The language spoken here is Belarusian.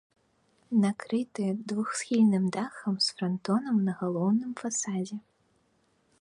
Накрыты двухсхільным дахам э франтонам на галоўным фасадзе.